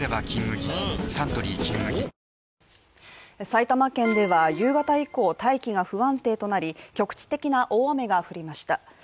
埼玉県では夕方以降、大気が不安定となり、局地的な大雨が降りました。